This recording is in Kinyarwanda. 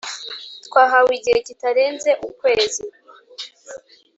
Twahawe igihe kitarenze ukwezi